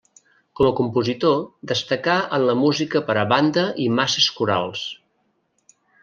Com a compositor destacà en la música per a banda i masses corals.